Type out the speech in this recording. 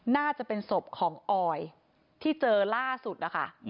น่าจะเป็นศพของออยที่เจอล่าสุดนะคะ